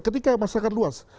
ketika masyarakat luas